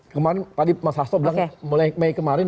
tadi mas hasto bilang mulai kemarin